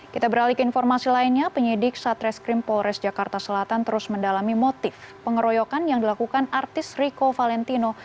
kita beralih ke informasi lainnya penyidik satreskrim polres jakarta selatan terus mendalami motif pengeroyokan yang dilakukan artis riko valentino